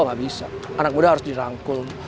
nggak bisa anak muda harus dirangkul